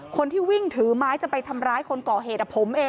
คนที่วิ่งถือไม้จะไปทำร้ายคนก่อเหตุผมเอง